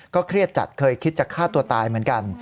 เครียดจัดเคยคิดจะฆ่าตัวตายเหมือนกัน